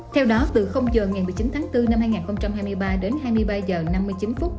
theo đó từ giờ ngày một mươi chín tháng bốn năm hai nghìn hai mươi ba đến hai mươi ba h năm mươi chín phút